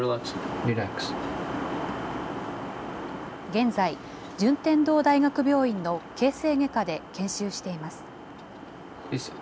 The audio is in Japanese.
現在、順天堂大学病院の形成外科で研修しています。